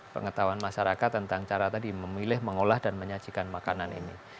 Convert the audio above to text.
pengetahuan masyarakat tentang cara tadi memilih mengolah dan menyajikan makanan ini